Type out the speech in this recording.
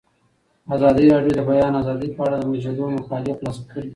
ازادي راډیو د د بیان آزادي په اړه د مجلو مقالو خلاصه کړې.